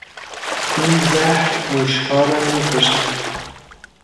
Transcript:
این زهر موشها را میکشد.